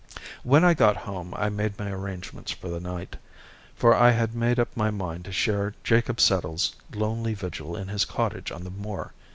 When I got home I made my arrangements for the night, for I had made up my mind to share Jacob Settle's lonely vigil in his cottage on the moor.